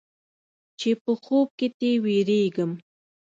چې په خوب کې تې وېرېږم.